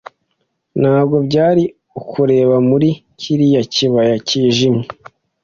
Ntabwo byari ukureba muri kiriya kibaya cyijimye